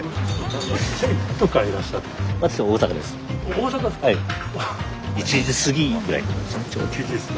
大阪ですか？